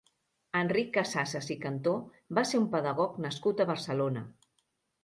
Enric Casassas i Cantó va ser un pedagog nascut a Barcelona.